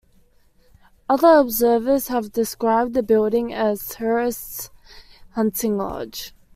Other observers have described the building as Hearst's hunting lodge.